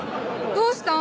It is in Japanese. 「どうしたん？」